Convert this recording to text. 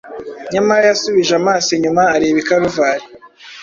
Nyamara yasubije amaso inyuma areba i Karuvali,